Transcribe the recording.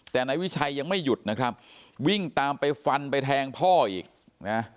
แต่นายวิชัยยังไม่หยุดนะครับวิ่งตามไปฟันไปแทงพ่ออีกนะ